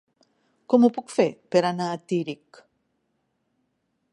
Com ho puc fer per anar a Tírig?